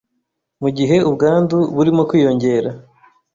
mu gihe ubwandu burimo kwiyongera.